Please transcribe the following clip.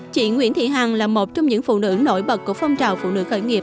chị nguyễn thị hằng là một trong những phụ nữ nổi bật của phong trào phụ nữ khởi nghiệp